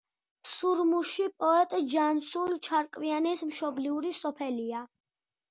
სურმუში პოეტ ჯანსუღ ჩარკვიანის მშობლიური სოფელია.